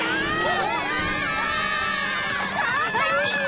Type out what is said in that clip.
うわ！